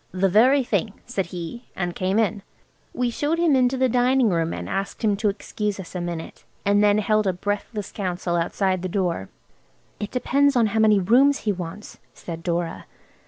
"The very thing," said he, and came in. We showed him into the dining room and asked him to excuse us a minute, and then held a breathless council outside the door. "It depends how many rooms he wants," said Dora.